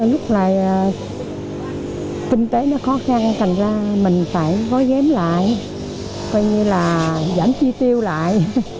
lúc này kinh tế nó khó khăn thành ra mình phải gói ghém lại coi như là giảm chi tiêu lại